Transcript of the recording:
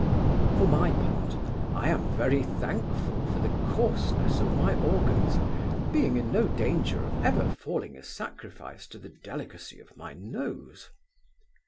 For my part, I am very thankful for the coarseness of my organs, being in no danger of ever falling a sacrifice to the delicacy of my nose.